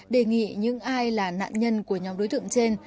đề nghị những ai là nạn nhân của nhóm đối tượng trên